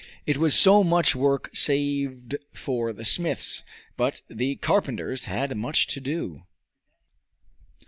It was so much work saved for the smiths, but the carpenters had much to do.